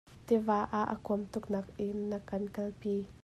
Tiva ah a kuam tuk nak in na kan kal pi.